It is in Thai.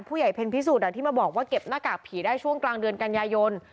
เพลิดผิดสู่ที่มาบอกว่าเก็บหน้ากากผีได้ช่วงกลางเดือนกันยายน